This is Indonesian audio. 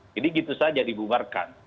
jadi gitu saja dibubarkan